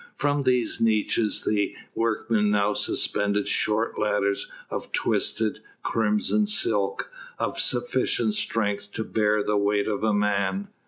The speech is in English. From these niches the workmen now suspended short ladders of twisted crimson silk, of sufficient strength to bear the weight of a man.